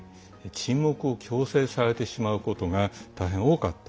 沈黙を強制されてしまうことが大変多かった。